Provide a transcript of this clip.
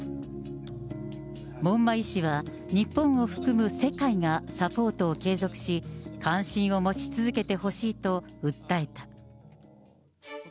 門馬医師は、日本を含む世界がサポートを継続し、関心を持ち続けてほしいと訴えた。